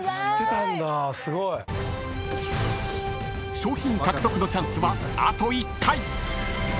［賞品獲得のチャンスはあと１回！］